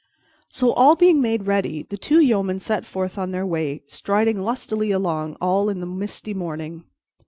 So, all being made ready, the two yeomen set forth on their way, striding lustily along all in the misty morning.